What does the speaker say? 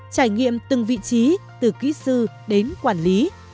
trải nghiệm từng vị trí từ kỹ sư đến quản lý